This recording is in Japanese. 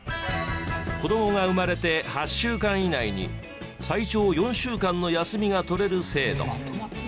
子どもが生まれて８週間以内に最長４週間の休みが取れる制度。